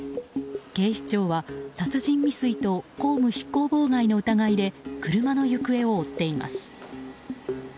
警視庁は殺人未遂と公務執行妨害の疑いで車の行方を追っています。